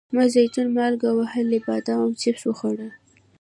ما زیتون، مالګه وهلي بادام او چپس وخوړل.